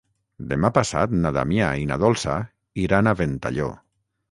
Demà passat na Damià i na Dolça iran a Ventalló.